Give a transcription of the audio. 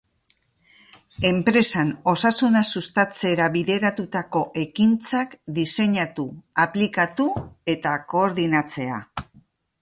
Enpresan osasuna sustatzera bideratutako ekintzak diseinatu, aplikatu eta koordinatzea.